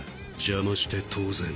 邪魔して当然。